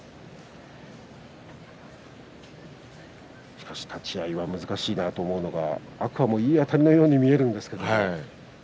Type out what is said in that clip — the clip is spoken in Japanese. しかし立ち合いは難しいなと思うのは天空海もいいあたりのように見えるんですけれども。